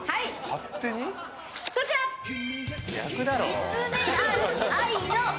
見つめ合う愛のリフト。